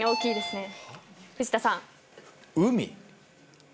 藤田さん。